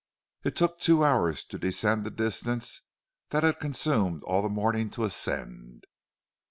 It took two hours to descend the distance that had consumed all the morning to ascend.